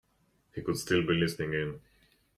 He could still be listening in.